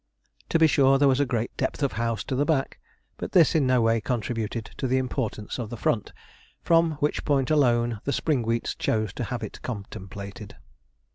To be sure, there was a great depth of house to the back; but this in no way contributed to the importance of the front, from which point alone the Springwheats chose to have it contemplated.